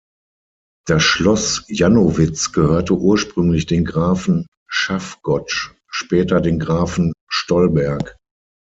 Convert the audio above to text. Das Schloss Jannowitz gehörte ursprünglich den Grafen Schaffgotsch, später den Grafen Stolberg.